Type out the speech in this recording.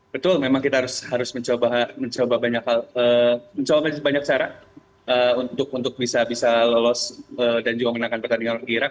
betul memang kita harus mencoba banyak cara untuk bisa lolos dan juga menangkan pertandingan ke irak